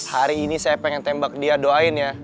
hari ini saya pengen tembak dia doain ya